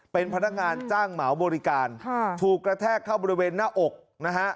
เป็นพนักงานจ้างเหมาบริการถูกกระแทกเข้าบริเวณหน้าอกนะฮะ